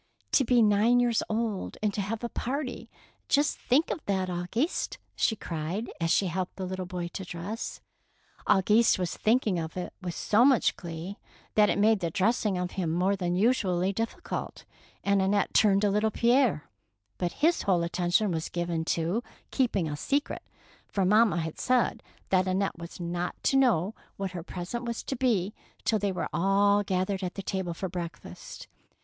" To be nine years old and to have a party! Just think of that, Auguste! she cried, as she helped the little boy to dress. Auguste was thinking of it with so much glee that it made the dressing of him more than usually difficult, and Annette turned to little Pierre ; but his whole attention was given to keeping a secret," for mamma had said that 178 THE PEABL NECKLACE Annette was not to know what her present was to be till they were all gathered at the table for breakfast.